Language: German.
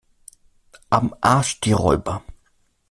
Am Arsch die Räuber!